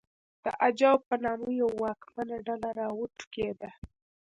د اجاو په نامه یوه واکمنه ډله راوټوکېده